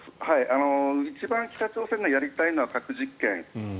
一番北朝鮮がやりたいのは核実験。